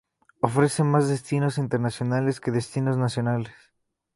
Ofrece más destinos internacionales que destinos nacionales.